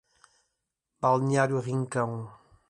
Balneário Rincão